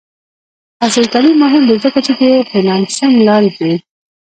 عصري تعلیم مهم دی ځکه چې د فریلانسینګ لارې ښيي.